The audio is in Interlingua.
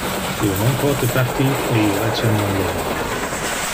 Io non pote partir e io etiam non lo vole.